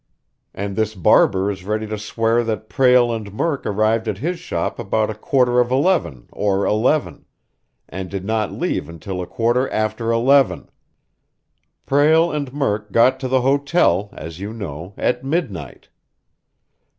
And this barber is ready to swear that Prale and Murk arrived at his shop about a quarter of eleven or eleven, and did not leave until a quarter after eleven. Prale and Murk got to the hotel, as you know, at midnight.